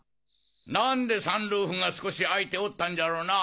何でサンルーフが少し開いておったんじゃろうな？